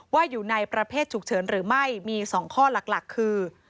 อยู่ในประเภทฉุกเฉินหรือไม่มี๒ข้อหลักคือ